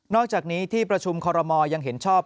อกจากนี้ที่ประชุมคอรมอลยังเห็นชอบ